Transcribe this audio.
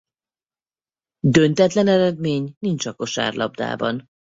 Döntetlen eredmény nincs a kosárlabdában.